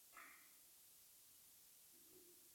د اوسټیومایلايټس د هډوکو عفونت دی.